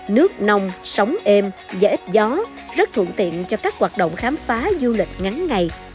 nước nông sóng êm và ít gió rất thuận tiện cho các hoạt động khám phá du lịch ngắn ngày